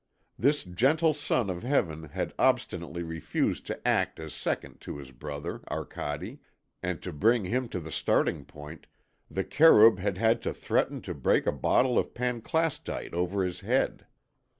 This gentle son of Heaven had obstinately refused to act as second to his brother Arcade, and to bring him to the starting point the Kerûb had had to threaten to break a bottle of panclastite over his head.